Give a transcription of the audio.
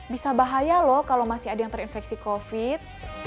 bisa bahaya loh kalau masih ada yang terinfeksi covid